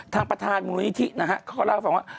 ทางประธานมูลนิธินะฮะเขาก็เล่าให้ฟังว่า